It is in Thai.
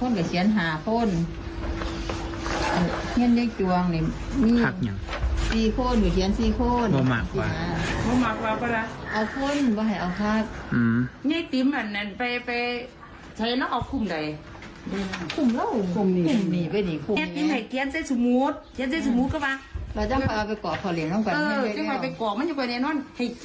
ก็เขียนหาคนหาคน